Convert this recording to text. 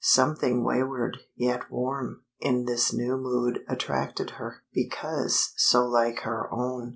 Something wayward, yet warm, in this new mood attracted her, because so like her own.